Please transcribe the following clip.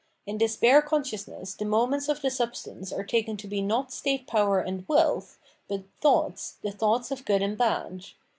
In this bare consciousness the moments of the substance are taken to be not state power and wealth, but thoughts, the thoughts of Good and Bad.